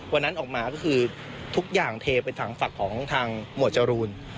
วันนั้นออกมาก็คือทุกอย่างเทไปทางฝั่งของทางหมวดจรูน